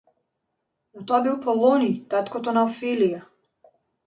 Но, тоа бил Полониј, таткото на Офелија.